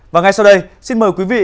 và ngay sau đây xin mời quý vị